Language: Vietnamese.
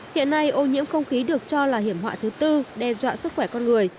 hiện nay ô nhiễm không khí được cho là hiểm họa thứ tư đe dọa sức khỏe con người